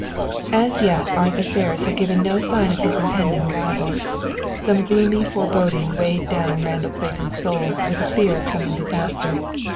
As yet Arthur Ferris had given no sign of his impending arrival. Some gloomy foreboding weighed down Randall Clayton's soul with a fear of coming disaster.